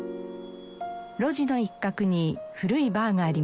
路地の一角に古いバーがあります。